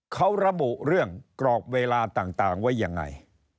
เขาระบุเรื่องกรอบเวลาต่างไว้ยังไง